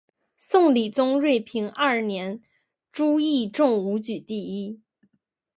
宋理宗端平二年朱熠中武举第一。